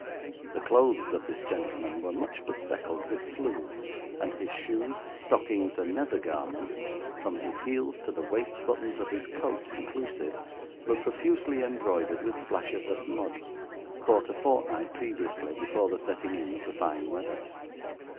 The clothes of this gentleman were much bespeckled with flue; and his shoes, stockings, and nether garments, from his heels to the waist buttons of his coat inclusive, were profusely embroidered with splashes of mud, caught a fortnight previously before the setting in of the fine weather.